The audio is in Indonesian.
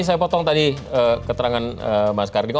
saya potong tadi keterangan mas kardio